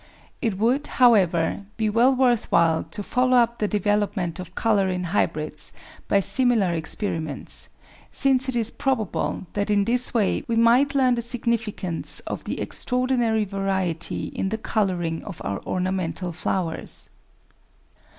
It would, however, be well worth while to follow up the development of colour in hybrids by similar experiments, since it is probable that in this way we might learn the significance of the extraordinary variety in the colouring of our ornamental flowers.